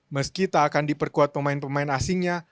meski tak akan diperkuat pemain pemain asingnya